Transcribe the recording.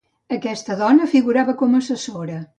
Aquesta dona figurava com a assessora.